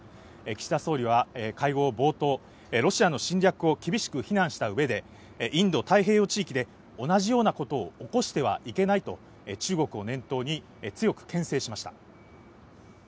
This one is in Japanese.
岸田総理は会合冒頭、ロシアの侵略を厳しく非難したうえで、インド太平洋地域で同じようなことを起こしてはいけないと中国を念頭に、強くけん制しました。